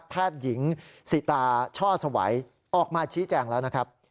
แพทย์หญิงสิตาช่อสวัยออกมาชี้แจงแล้วนะครับ